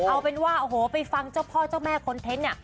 เอาเป็นว่าไปฟังเจ้าพ่อเจ้าแม่คอนเทนต์